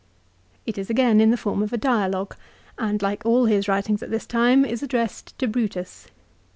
It is again in the form of a dialogue, and like all his writings at this time is addressed to Brutus.